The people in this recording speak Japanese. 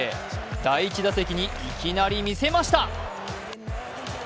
第１打席にいきなり見せました。